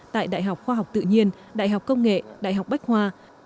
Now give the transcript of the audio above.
tại đại học khoa học tự nhiên đại học công nghệ đại học bách hoa